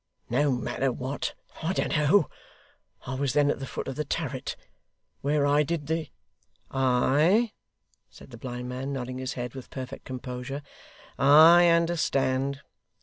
'No matter what. I don't know. I was then at the foot of the turret, where I did the ' 'Ay,' said the blind man, nodding his head with perfect composure, 'I understand.